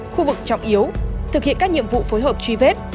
khu vực trọng yếu thực hiện các nhiệm vụ phối hợp truy vết